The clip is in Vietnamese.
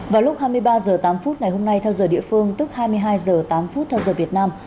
vào lúc hai mươi ba h tám ngày hôm nay theo giờ địa phương tức hai mươi hai h tám theo giờ việt nam